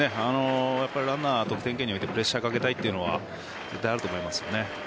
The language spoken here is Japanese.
ランナーを得点圏に置いてプレッシャーをかけたいというのは絶対にあると思います。